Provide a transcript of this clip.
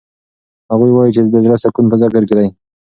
هغوی وایي چې د زړه سکون په ذکر کې دی.